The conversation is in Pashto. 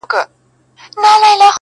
ما یې په جونګړو کي د سترګو غله لیدلي دي،